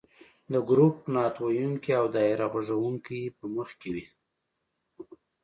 د ګروپ نعت ویونکي او دایره غږونکې به مخکې وي.